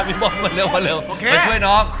พี่บอลมาเร็วมาช่วยน้อง